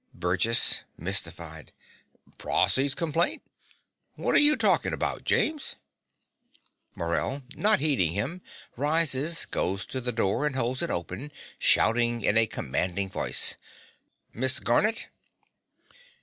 BURGESS (mystified). Prossy's complaint. Wot are you talking about, James? MORELL (not heeding him, rises; goes to the door; and holds it open, shouting in a commanding voice). Miss Garnett.